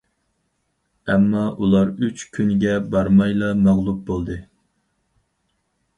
ئەمما ئۇلار ئۈچ كۈنگە بارمايلا مەغلۇپ بولدى.